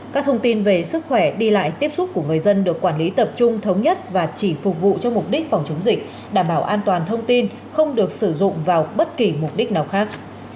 các thông tin về sức khỏe đi lại tiếp xúc của người dân được quản lý tập trung thống nhất và chỉ phục vụ cho mục đích phòng chống dịch đảm bảo an toàn thông tin không được sử dụng vào bất kỳ mục đích nào khác